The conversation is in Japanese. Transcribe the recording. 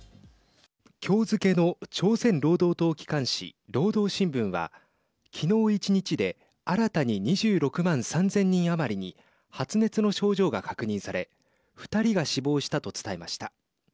きょう付けの朝鮮労働党機関紙、労働新聞はきのう１日で新たに２６万３０００人余りに発熱の症状が確認され２人が死亡したと伝えました。